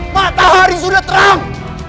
matahari sudah terang